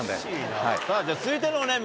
じゃあ続いてのお悩み